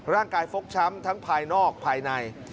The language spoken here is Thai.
ฟกช้ำทั้งภายนอกภายใน